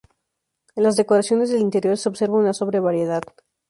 En las decoraciones del interior, se observa una sobria variedad.